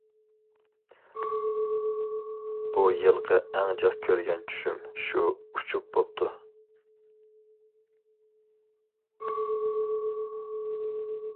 بۇ يىلقى ئەڭ جىق كۆرگەن چۈشۈم شۇ ئۇچۇپ بوپتۇ.